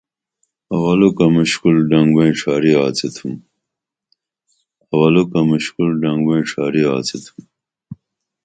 اولُکہ مُشکُل ڈھنگ بئیں ڇھاری آڅی تُھم